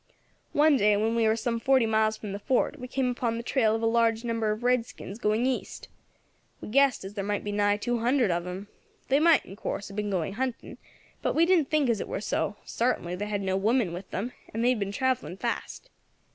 One day, when we war some forty miles from the fort, we came upon the trail of a large number of redskins going east. We guessed as there must be nigh two hundred of them. They might, in course, have been going hunting, but we didn't think as it were so; sartainly they had no women with them, and they had been travelling fast.